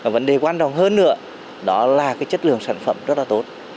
vấn đề quan trọng hơn nữa là chất lượng sản phẩm rất tốt